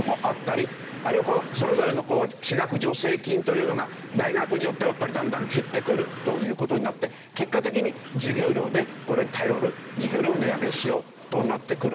あるいはそれぞれの私学助成金というのが大学によってはだんだん減ってくるという事になって結果的に授業料でこれに頼る授業料を値上げしようとなってくるわけですね。